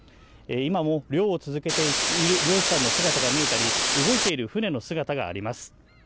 今も漁を続けていている漁師さんの姿が見えたり、動いている船の姿があります。